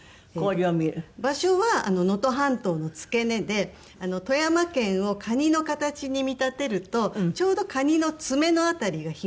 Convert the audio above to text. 場所は能登半島の付け根で富山県をカニの形に見立てるとちょうどカニの爪の辺りが氷見市なんですね。